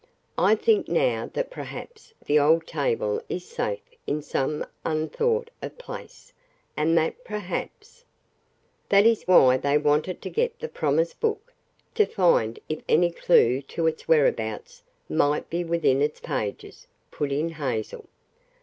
I think now that perhaps the old table is safe in some unthought of place, and that perhaps " "That is why they wanted to get the promise book, to find if any clue to its whereabouts might be within its pages," put in Hazel.